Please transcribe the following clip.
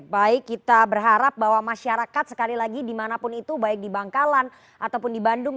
baik kita berharap bahwa masyarakat di manapun itu baik di bangkalan ataupun di bandung